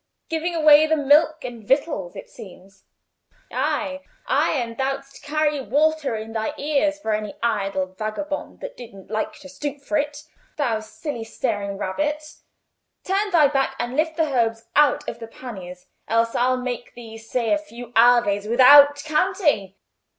"Giving away the milk and victuals, it seems; ay, ay, thou'dst carry water in thy ears for any idle vagabond that didn't like to stoop for it, thou silly staring rabbit! Turn thy back, and lift the herbs out of the panniers, else I'll make thee say a few Aves without counting."